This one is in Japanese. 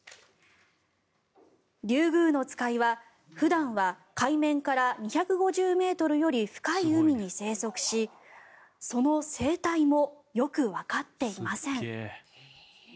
リュウグウノツカイは普段は海面から２５０ｍより深い海に生息しその生態もよくわかっていません。